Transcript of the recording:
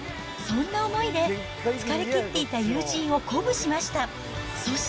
そんな思いで、疲れ切っていた友人を鼓舞しました。